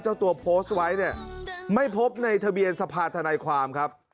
เจ้าตัวโพสต์ไว้เนี่ยไม่พบในทะเบียนสภาธนายความครับ